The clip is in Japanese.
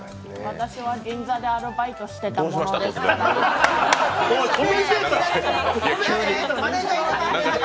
私は銀座でアルバイトしてたものですからどうしました！？